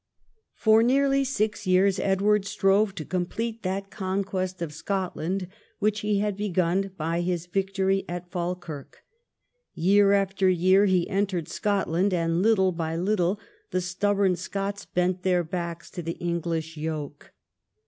For nearly six years Edward strove to complete that conquest of Scotland which he had begun by his victory at Falkirk. Year after year he entered Scotland, and little by little the stubborn Scots bent their backs to the English yoke.